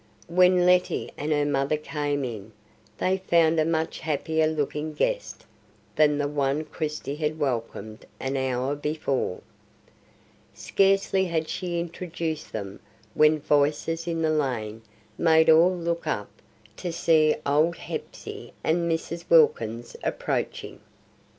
When Letty and her mother came in, they found a much happier looking guest than the one Christie had welcomed an hour before. Scarcely had she introduced them when voices in the lane made all look up to see old Hepsey and Mrs. Wilkins approaching.